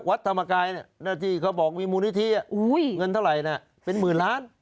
วับรรดิสมัครไทยนที่เค้าบอกมีมณีที่เงินเท่าไหร่น่ะเป็นหมื่นล้าน